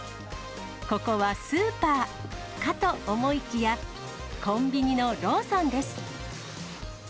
ここはスーパー、かと思いきや、コンビニのローソンです。